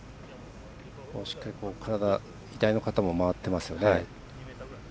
しっかり左の肩も回ってますよね。